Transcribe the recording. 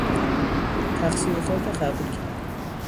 تقصیر خود را قبول کرد.